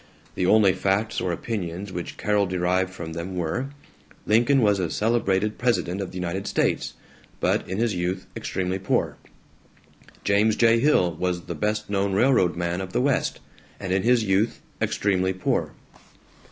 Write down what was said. The only facts or opinions which Carol derived from them were: Lincoln was a celebrated president of the United States, but in his youth extremely poor. James J. Hill was the best known railroad man of the West, and in his youth extremely poor.